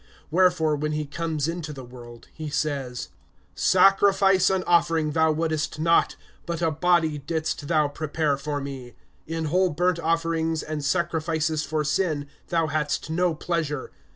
(5)Wherefore, when he comes into the world, he says: Sacrifice and offering thou wouldest not, But a body didst thou prepare for me; (6)In whole burnt offerings, and sacrifices for sin, thou hadst no pleasure.